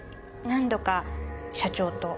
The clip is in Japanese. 何度か社長と。